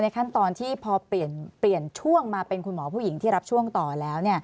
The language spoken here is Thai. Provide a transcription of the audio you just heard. ขั้นตอนที่พอเปลี่ยนช่วงมาเป็นคุณหมอผู้หญิงที่รับช่วงต่อแล้ว